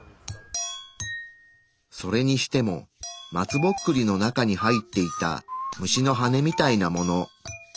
それにしても松ぼっくりの中に入っていた虫の羽みたいなもの。